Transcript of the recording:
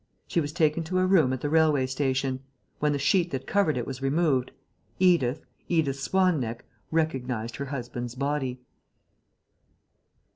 She was taken to a room at the railway station. When the sheet that covered it was removed, Edith, Edith Swan neck, recognized her husband's body.